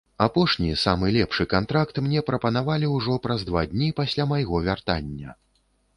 Апошні, самы лепшы кантракт мне прапанавалі ўжо праз два дні пасля майго вяртання.